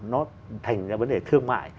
nó thành ra vấn đề thương mại